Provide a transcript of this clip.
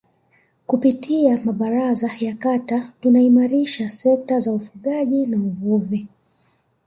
kupitia mabaraza ya Kata kutaimarisha sekta za ufugaji na uvuvi